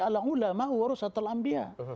alam ulama harus setelah ambiah